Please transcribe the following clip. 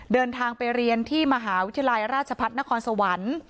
เดินทางไปเรียนที่มหาวิทยาลัยราชพัฒนครสวรรค์